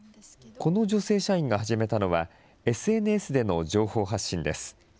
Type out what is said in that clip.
この女性社員が始めたのは、ＳＮＳでの情報発信です。